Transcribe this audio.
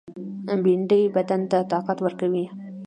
بېنډۍ بدن ته طاقت ورکوي